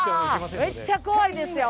めっちゃ怖いですよ！